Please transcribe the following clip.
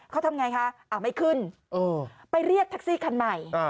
เขาทำไงคะไม่ขึ้นไปเรียกแท็กซี่คันใหม่